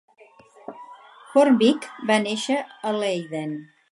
Hoornbeek va néixer a Leiden.